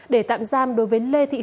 để tạm giam đối với lê thị hồng